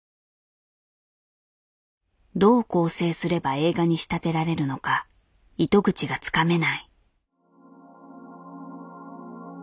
どう構成すれば映画に仕立てられるのか糸口がつかめない。